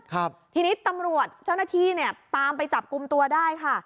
ครับทีนี้ตำรวจเจ้าหน้าที่เนี่ยตามไปจับกลุ่มตัวได้ค่ะ